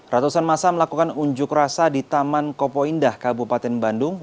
ratusan masa melakukan unjuk rasa di taman kopo indah kabupaten bandung